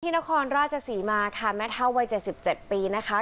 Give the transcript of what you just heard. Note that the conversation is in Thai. นครราชศรีมาค่ะแม่เท่าวัย๗๗ปีนะคะ